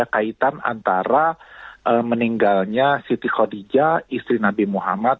kaitan antara meninggalnya siti khadijah istri nabi muhammad